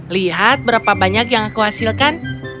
lihat berapa banyak yang aku hasilkan